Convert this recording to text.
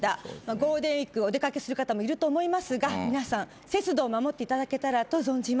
ゴールデンウイークお出掛けする方もいると思いますが皆さん節度を守っていただけたらと存じます。